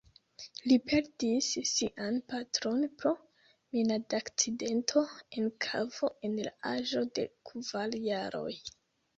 Li perdis sian patron pro minadakcidento en kavo en la aĝo de kvar jaroj.